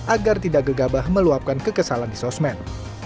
agar tidak gegabah meluapkan kekesalan di sosmed